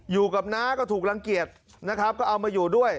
น้าก็ถูกรังเกียจนะครับก็เอามาอยู่ด้วย